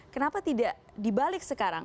kenapa tidak dibalik sekarang